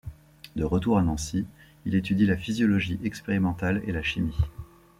De retour à Nancy, il étudie la physiologie expérimentale et la chimie.